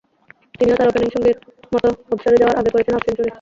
তিনিও তাঁর ওপেনিং সঙ্গীর মতো অবসরে যাওয়ার আগে করেছেন হাফ সেঞ্চুরি।